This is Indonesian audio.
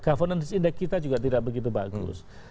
governance index kita juga tidak begitu bagus